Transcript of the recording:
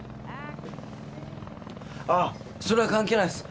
ああそれは関係ないです。